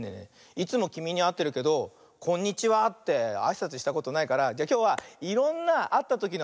いつもきみにあってるけど「こんにちは」ってあいさつしたことないからじゃあきょうはいろんなあったときのあいさつをやってみようかな。